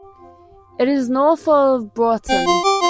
It is north of Broughton.